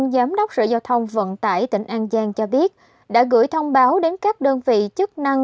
giám đốc sở giao thông vận tải tỉnh an giang cho biết đã gửi thông báo đến các đơn vị chức năng